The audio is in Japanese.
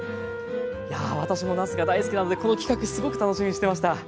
いやあ私もなすが大好きなのでこの企画すごく楽しみにしてました。